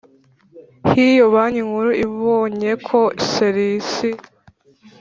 h Iyo Banki Nkuru ibonye ko ser isi